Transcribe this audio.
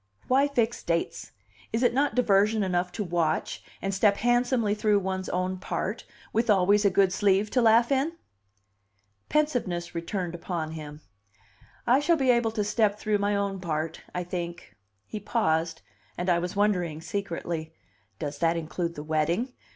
"Why fix dates? Is it not diversion enough to watch, and step handsomely through one's own part, with always a good sleeve to laugh in?" Pensiveness returned upon him. "I shall be able to step through my own part, I think." He paused, and I was wondering secretly, "Does that include the wedding?"